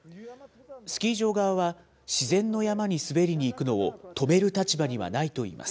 スキー場側は、自然の山に滑りに行くのを止める立場にはないといいます。